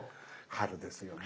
春ですよね。